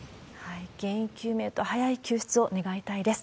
原因究明と早い救出を願いたいです。